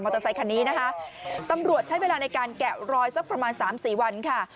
เตอร์ไซคันนี้นะคะตำรวจใช้เวลาในการแกะรอยสักประมาณสามสี่วันค่ะ